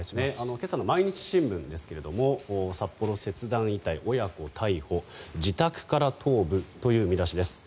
今朝の毎日新聞ですが札幌切断遺体親子逮捕自宅から頭部という見出しです。